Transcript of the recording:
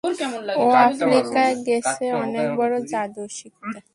ও Africa গেছে অনেক বড় যাদু শিখতে।